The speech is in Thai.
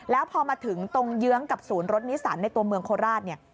แล้วพอมาถึงตรงเยื้องกับศูนย์รถนิสันในตัวเมืองโคราชเนี่ย